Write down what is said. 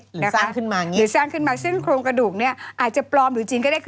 หรือสร้างขึ้นมาซึ่งโครงกระดูกเนี่ยอาจจะปลอมหรือจริงก็ได้